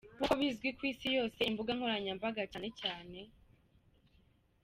Nk’uko bizwi ku isi yose, imbuga nkoranyambaga cyane cyane.